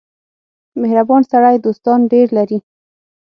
• مهربان سړی دوستان ډېر لري.